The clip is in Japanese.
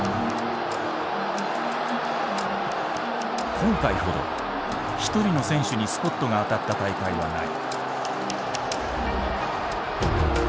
今回ほどひとりの選手にスポットが当たった大会はない。